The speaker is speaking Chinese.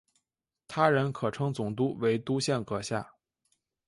他人可称总督为督宪阁下。